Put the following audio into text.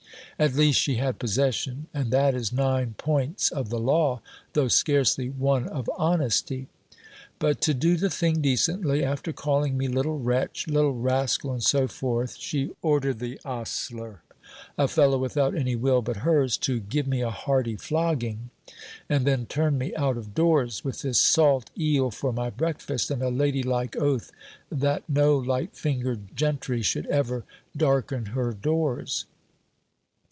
At least she had possession, and that is nine points of the law, though scarcely one of honesty. But to do the thing decently, after calling me little wretch, little ras cal, and so forth, she ordered the ostler, a fellow without any will but hers, to give me a hearty flogging ; and then turn me out of doors, with this salt eel for my breakfast, and a lady like oath that no light fingered gentry should ever darken her doors.